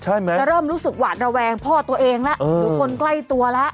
ใช่มั้ยแล้วเริ่มรู้สึกหวาดระแวงพ่อตัวเองแล้วเดี๋ยวคนใกล้ตัวแล้ว